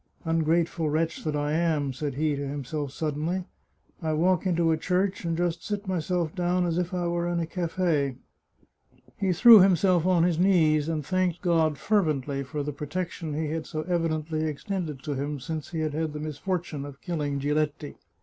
" Ungrateful wretch that I am," said he to himself suddenly ;" I walk into a church, and just sit myself down as if I were in a cafe." He threw himself on his knees, and thanked God fervently for the protection He had so evidently ex tended to him since he had had the misfortune of killing Giletti.